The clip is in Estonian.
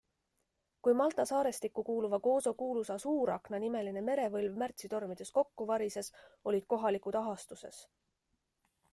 Kui Malta saarestikku kuuluva Gozo kuulus Asuurakna-nimeline merevõlv märtsitormides kokku varises, olid kohalikud ahastuses.